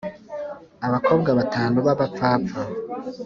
Abakobwa batanu baba pfapfa